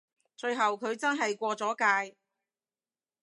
最後佢真係過咗界